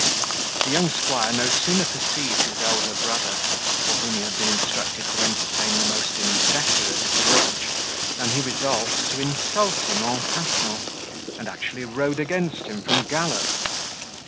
The young squire no sooner perceived his elder brother, for whom he had been instructed to entertain the most inveterate grudge, than he resolved to insult him en passant, and actually rode against him from gallop.